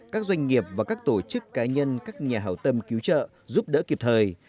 các doanh nghiệp và các tổ chức cá nhân các nhà hào tâm cứu trợ giúp đỡ kịp thời